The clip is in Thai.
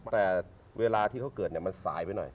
แต่เวลาที่เขาเกิดมันสายไปหน่อย